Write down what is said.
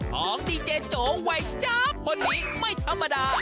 ของดีเจโจวัยจ๊าบคนนี้ไม่ธรรมดา